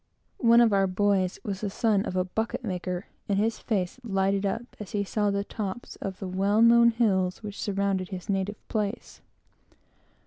One of our boys was the son of a bucket maker; and his face lighted up as he saw the tops of the well known hills which surround his native place.